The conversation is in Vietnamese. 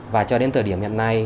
và cho đến thời điểm hiện nay